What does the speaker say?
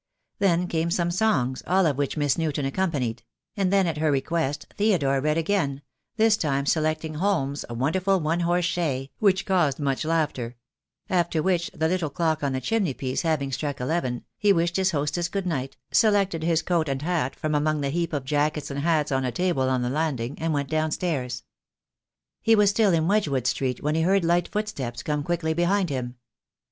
Then came some songs, all of which Miss Newton accompanied; and then at her request Theodore read again, this time selecting Holmes' "Wonderful One Horse Shay," which caused much laughter; after which the little clock on the chimney piece having struck eleven, he wished his hostess good night, selected his coat and hat from among the heap of jackets and hats on a table on the landing, and went downstairs. He was still in Wedgewood Street when he heard light footsteps coming quickly behind him.